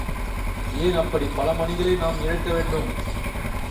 ஏன் அப்படிப் பல மணிகளை நாம் இழக்க வேண்டும்?